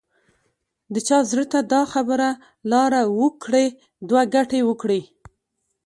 چا زړه ته دا خبره لاره وکړي دوه ګټې وکړي.